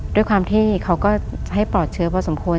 ด้วยความที่เขาก็ให้ปลอดเชื้อพอสมควร